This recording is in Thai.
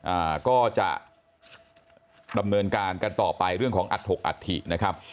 อ่าก็จะดำเนินการกันต่อไปเรื่องของอัตถกอัฐินะครับ